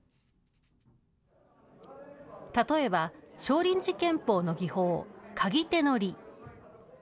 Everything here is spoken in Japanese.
例えば、少林寺拳法の技法、鈎手の理。